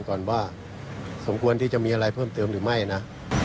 ก่อนว่าสมควรที่จะมีอะไรเพิ่มเติมหรือไม่นะ